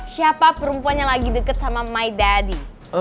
siapa perempuannya lagi deket sama my daddy